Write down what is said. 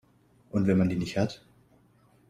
Und wenn man die nicht hat?